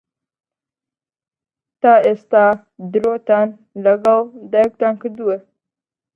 تا ئێستا درۆتان لەگەڵ دایکتان کردووە؟